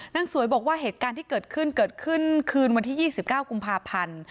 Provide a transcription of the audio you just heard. นางสวยบอกว่าเหตุการณ์ที่เกิดขึ้นเกิดขึ้นคืนวันที่๒๙กุมภาพันธ์